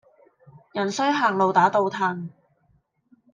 人衰行路打倒褪